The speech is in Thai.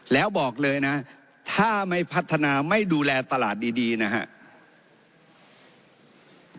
แล้วบอกเลยนะถ้าไม่พัฒนาไม่ดูแลตลาดดีนะครับ